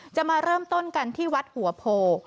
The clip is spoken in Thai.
จะมาเริ่มต้นกันที่วัดหัวโพ